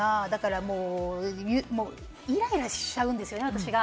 もうイライラしちゃうんですよね、私が。